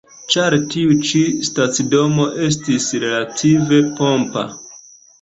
Ĉar tiu ĉi stacidomo estis relative pompa.